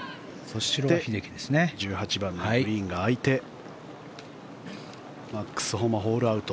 １８番のグリーンが空いてマックス・ホマホールアウト。